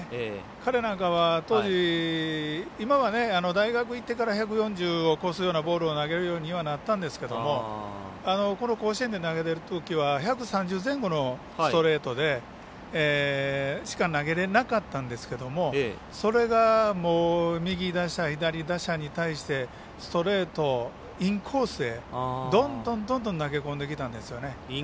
彼なんかは当時今は、大学いってから１４０を超すようなボールを投げるようにはなったんですけれどもこの甲子園で投げれる投球は１３０前後のストレートしか投げられなかったんですけどそれが、右打者、左打者に対してストレート、インコースへどんどんどんどん投げ込んできたんですよね。